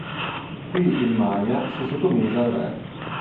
Qui il Maia si sottomise al re.